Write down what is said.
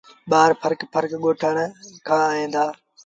ٻآر ڦرڪ ڦرڪ ڳوٺآݩ کآݩ ائيٚݩ دآ۔